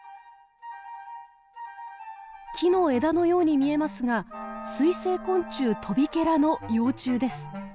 木の枝のように見えますが水生昆虫トビケラの幼虫です。